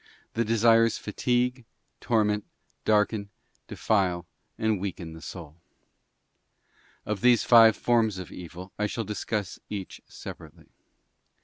The desires fatigue, torment, darken, defile and weaken the soul. Of these five forms of evil, I shall discuss each separately.